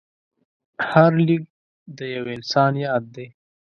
هر لیک د یو انسان یاد دی.